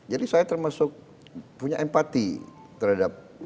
jadi saya termasuk punya empati terhadap